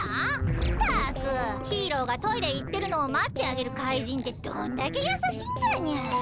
ったくヒーローがトイレいってるのをまってあげる怪人ってどんだけやさしいんだにゃ。